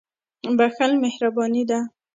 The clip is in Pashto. • بښل مهرباني ده.